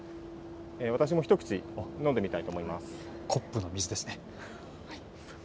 私も一口飲んでみたいと思います。